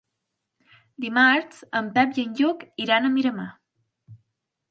Dimarts en Pep i en Lluc iran a Miramar.